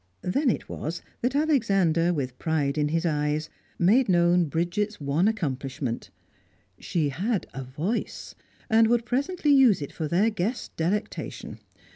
Then it was that Alexander, with pride in his eyes, made known Bridget's one accomplishment; she had a voice, and would presently use it for their guest's delectation.